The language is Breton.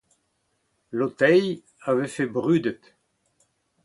Lotei a vefe brudet.